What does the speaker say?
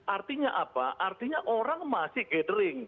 artinya apa artinya orang masih gathering